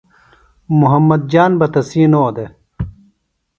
محمد جان بہ تسی نو دےۡ